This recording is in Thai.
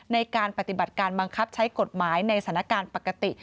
ในการปฏิบัติการบังคับใช้กฎหมายในสถานการณ์ปกติ